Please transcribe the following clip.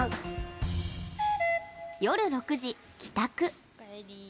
夜６時、帰宅。